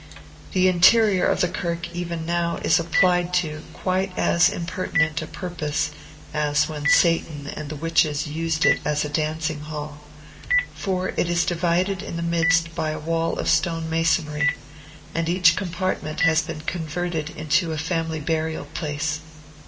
The interior of the kirk, even now, is applied to quite as impertinent a purpose as when Satan and the witches used it as a dancing hall; for it is divided in the midst by a wall of stone masonry, and each compartment has been converted into a family burial place.